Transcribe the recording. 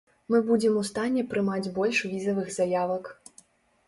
Мы будзем у стане прымаць больш візавых заявак.